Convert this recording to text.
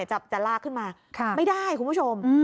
จะลากขึ้นมาไม่ได้คุณผู้ชม